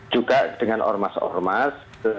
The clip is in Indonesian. juga dengan ormas ormas